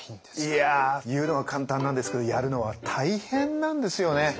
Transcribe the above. いや言うのは簡単なんですけどやるのは大変なんですよね。